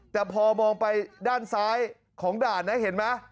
แต่พอมองไปด้านซ้ายของด่านนะเห็นไหม